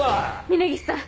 峰岸さん